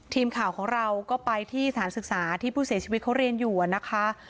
ทีมข่าวของเราก็ไปที่สถานศึกษาที่ผู้เสียชีวิตเขาเรียนอยู่นะคะ